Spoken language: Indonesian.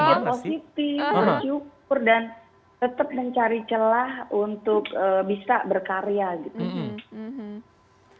cinta isinya berdoa positif bersyukur dan tetap mencari celah untuk bisa berkarya gitu